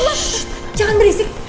shh jangan berisik